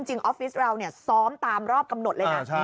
จริงออฟฟิศเราเนี่ยซ้อมตามรอบกำหนดเลยนะ